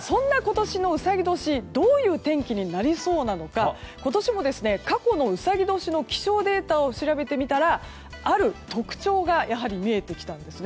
そんなうさぎ年どういう天気になりそうなのか過去のうさぎ年の気象データを調べてみたらある特徴が見えてきたんですね。